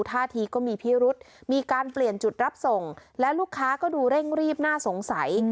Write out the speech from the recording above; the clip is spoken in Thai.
ท่าทีก็มีพิรุษมีการเปลี่ยนจุดรับส่งและลูกค้าก็ดูเร่งรีบน่าสงสัย